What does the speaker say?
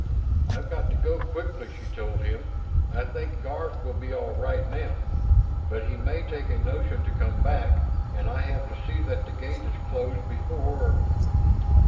"I've got to go quickly," she told him. "I think Garf will be all right now, but he may take a notion to come back. And I have to see that the gate is closed before